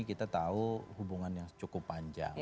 kita tahu hubungan yang cukup panjang